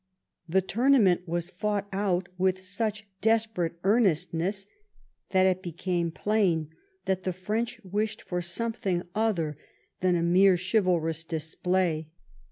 The tournament Avas fought out with such desperate earnestness that it became plain that the French wished for something other than a mere chivalrous display.